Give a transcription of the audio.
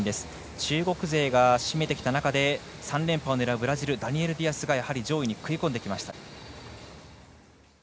中国勢が占めてきた中で３連覇を狙うブラジルダニエル・ディアスが上位に食い込んできました。